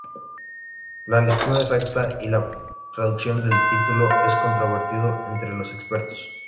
La lectura exacta y la traducción del título es controvertido entre los expertos.